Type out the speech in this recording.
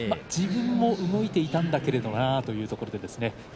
自分も動いていたんだけれどなというところですね。